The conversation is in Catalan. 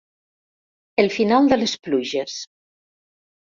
El final de les pluges.